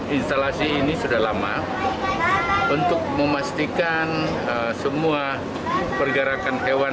instalasi ini sudah lama untuk memastikan semua pergerakan hewan